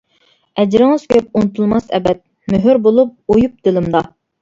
ئەجرىڭىز كۆپ ئۇنتۇلماس ئەبەد، مۆھۈر بولۇپ ئويۇپ دىلىمدا.